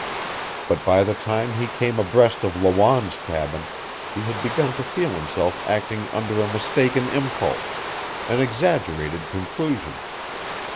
But by the time he came abreast of Lawanne's cabin he had begun to feel himself acting under a mistaken impulse, an exaggerated conclusion.